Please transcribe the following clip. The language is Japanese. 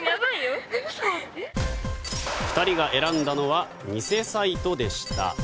２人が選んだのは偽サイトでした。